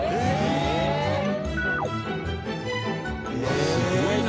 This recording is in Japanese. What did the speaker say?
うわっすごいな！